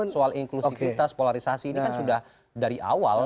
soal inklusivitas polarisasi ini kan sudah dari awal